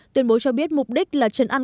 tuyên bố cho biết mục đích là trần ăn